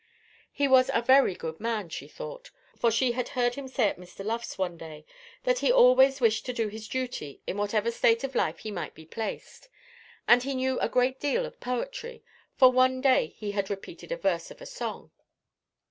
He was a very good man, she thought, for she had heard him say at Mr. Luff's, one day, that he always wished to do his duty in whatever state of life he might be placed; and he knew a great deal of poetry, for one day he had repeated a verse of a song.